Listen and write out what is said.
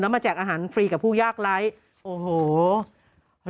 มาแจกอาหารฟรีกับผู้ยากไร้โอ้โห